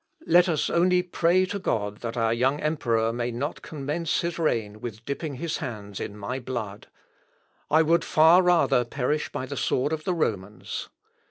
Let us only pray to God that our young emperor may not commence his reign with dipping his hands in my blood; I would far rather perish by the sword of the Romans.